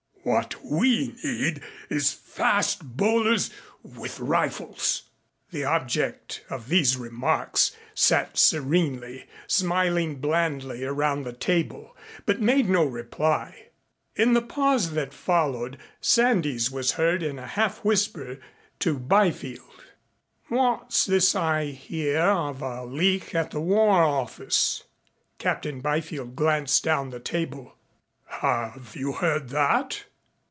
"What we need is fast bowlers with rifles." The object of these remarks sat serenely, smiling blandly around the table, but made no reply. In the pause that followed Sandys was heard in a half whisper to Byfield. "What's this I hear of a leak at the War Office?" Captain Byfield glanced down the table. "Have you heard that?"